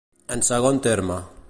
En segon terme.